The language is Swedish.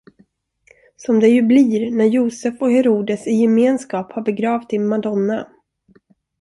Som det ju blir när Josef och Herodes i gemenskap har begravt din madonna.